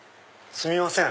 すみません。